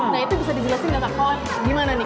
nah itu bisa dijelaskan kak kak gimana nih